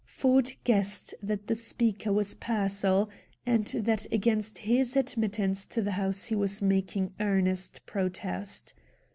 Ford guessed that the speaker was Pearsall, and that against his admittance to the house he was making earnest protest.